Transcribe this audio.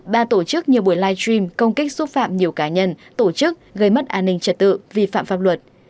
ba tổ chức nhiều buổi live stream công kích xúc phạm nhiều cá nhân tổ chức gây mất an ninh trật tự vi phạm pháp luật